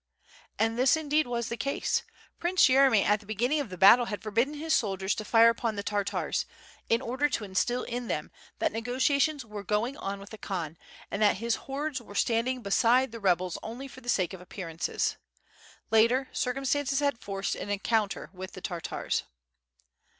..." And this indeed was the case. Prince Yeremy at the be ginning of the battle had forbidden his soldiers to fire upon the Tartars, in order to instill in them that negotiations were going on with the Khan and that his hordes were standing beside the rebels only for the sake of appearances. Later, circumstances had forced an encounter with the Tartars.